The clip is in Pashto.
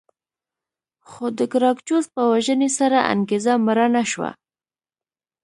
خو د ګراکچوس په وژنې سره انګېزه مړه نه شوه